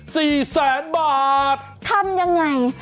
สี่แสนบาททำยังไง